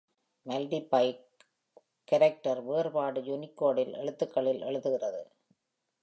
Multi-byte character வேறுபாடு யூனிகோடில் எழுத்துக்களில் எழுகிறது.